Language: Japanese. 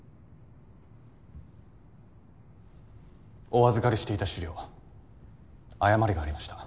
お預かりしていた資料誤りがありました。